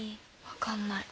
分かんない。